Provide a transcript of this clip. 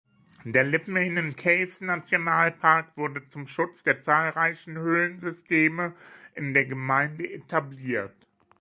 Der Libmanan-Caves-Nationalpark wurde zum Schutz der zahlreichen Höhlensysteme in der Gemeinde etabliert.